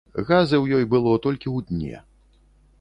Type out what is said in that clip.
Газы ў ёй было толькі ў дне.